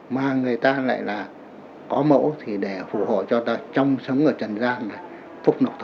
mà người ta lại là có mẫu thì để phù hộ cho ta trong sống ở trần giang phúc nộp thọ